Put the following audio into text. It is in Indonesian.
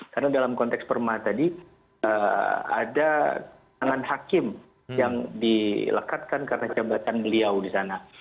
karena dalam konteks perma tadi ada tangan hakim yang dilekatkan karena jambatan beliau di sana